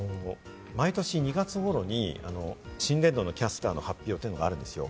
毎年２月頃に新年度のキャスターの発表があるんですよ。